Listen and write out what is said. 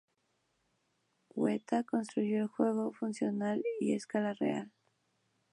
Weta ha construido un del juego funcional y a escala real.